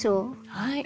はい。